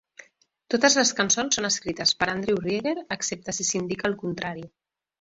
Totes les cançons són escrites per Andrew Rieger, excepte si s'indica el contrari.